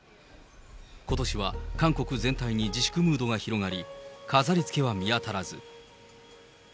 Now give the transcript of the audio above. ことしは韓国全体に自粛ムードが広がり、飾りつけは見当たらず。